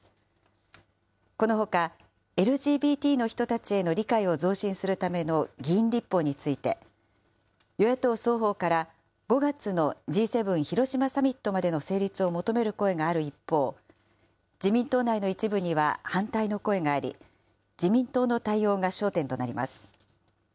このほか、ＬＧＢＴの人たちへの理解を増進するための議員立法について、与野党双方から５月のＧ７広島サミットまでの成立を求める声がある一方、自民党内の一部には反対の声があり、自民党の対応が焦点となります。